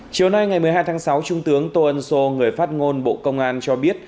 chiều nay ngày một mươi hai tháng sáu trung tướng tô ân sô người phát ngôn bộ công an cho biết